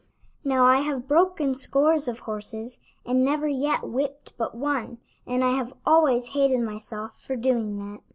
Now I have broken scores of horses, and never yet whipped but one, and I have always hated myself for doing that."